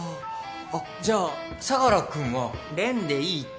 あっじゃあ相良君は。レンでいいって。